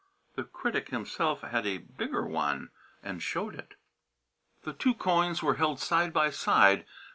The critic himself had a bigger one, and showed it. The two coins were held side by side.